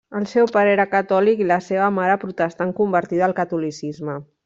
El seu pare era catòlic i la seva mare protestant convertida al catolicisme.